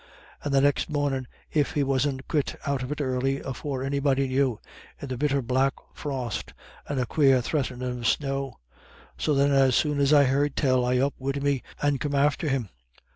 And the next mornin' if he wasn't quit out of it early, afore anybody knew, in the bitter black frost, and a quare threatinin' of snow. So then as soon as I heard tell, I up wid me and come after him.